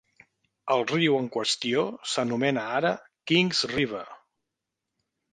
El riu en qüestió s'anomena ara "Kings River".